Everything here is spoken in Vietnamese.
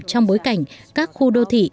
trong bối cảnh các khu đô thị